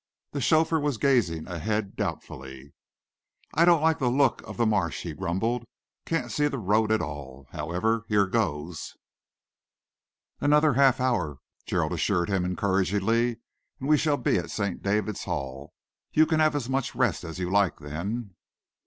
The chauffeur was gazing ahead doubtfully. "I don't like the look of the marsh," he grumbled. "Can't see the road at all. However, here goes." "Another half hour," Gerald assured him encouragingly, "and we shall be at St. David's Hall. You can have as much rest as you like then."